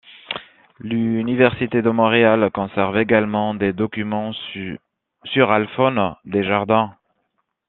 L'Université de Montréal conserve également des documents sur Alphone Desjardins.